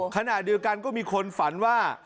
ขณะเดียวกันก็มีคนฝันว่า